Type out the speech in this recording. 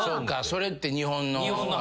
それって日本の。